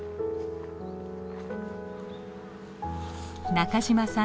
中嶋さん